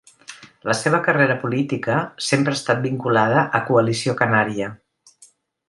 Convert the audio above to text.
La seva carrera política sempre ha estat vinculada a Coalició Canària.